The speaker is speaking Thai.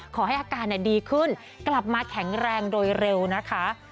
ขอให้อาการดีขึ้นกลับมาแข็งแรงโดยเร็วนะคะ